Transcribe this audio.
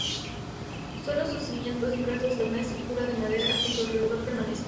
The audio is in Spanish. Sólo sus cimientos y restos de una estructura de madera en su alrededor permanecen.